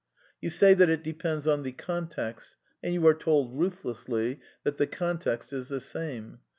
You say that it depends on the context; and you are told ruthlessly that the context is the same.